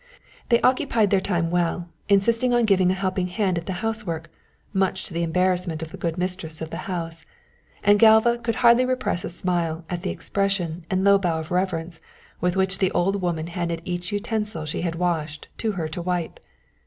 They occupied their time well, insisting on giving a helping hand at the housework, much to the embarrassment of the good mistress of the house; and Galva could hardly repress a smile at the expression and the low bow of reverence with which the old woman handed each utensil she had washed to her to wipe.